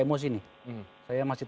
emosi nih saya masih